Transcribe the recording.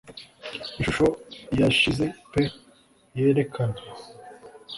Ishusho yashize pe yerekana